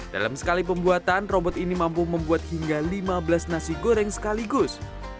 dalam sekali pembuatan robot ini mampu membuat hingga lima belas nasi goreng sekaligus